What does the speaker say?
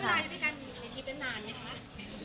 ช่างเวลาได้ไปกันอาทิตย์เป็นนานไหมคะ